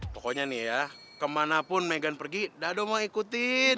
pokoknya nih ya kemana pun megan pergi dado mau ikutin